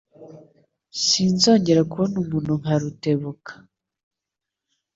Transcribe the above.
Sinzongera kubona umuntu nka Rutebuka.